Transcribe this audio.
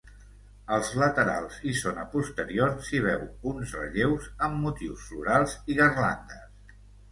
Als laterals i zona posterior, s'hi veu uns relleus amb motius florals i garlandes.